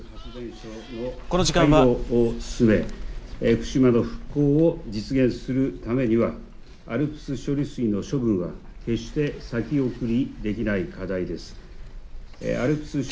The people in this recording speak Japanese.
福島の復興を実現するためにはＡＬＰＳ処理水の処分は決して先送りできない課題です。